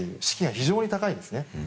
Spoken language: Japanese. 士気が非常に高いんですね。